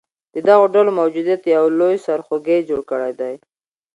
د دغه ډلو موجودیت یو لوی سرخوږې جوړ کړیدی